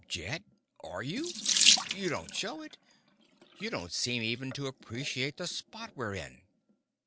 "Jed! Are you? You don't show it. You don't seem even to appreciate the spot we're in."